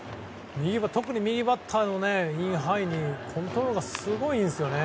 特に右バッターのインハイにコントロールすごいいいんですよね。